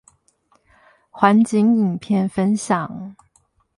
環景影片分享